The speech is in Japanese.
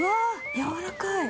やわらかい。